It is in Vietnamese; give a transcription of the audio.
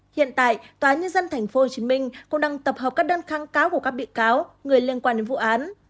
hiện tại tòa nhân dân tp hcm cũng đang tập hợp các đơn kháng cáo của các bị cáo người liên quan đến vụ án